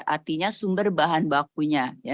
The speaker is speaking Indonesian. artinya sumber bahan bakunya